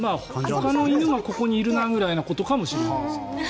ほかの犬がここにいるなぐらいのことかもしれません。